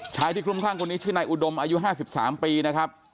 ชายที่คลุมข้างคนนี้ชื่อนายอุดมอายุ๕๓ปีนะครับ